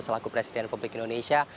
selaku presiden republik indonesia